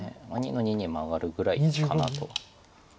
２の二にマガるぐらいかなと。